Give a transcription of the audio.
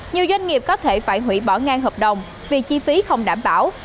nhiều doanh nghiệp có thể phải hủy bỏ ngang hợp đồng vì chi phí không đảm bảo